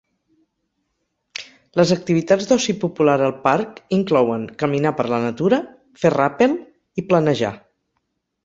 Les activitats d'oci popular al parc inclouen caminar per la natura, fer ràpel i planejar.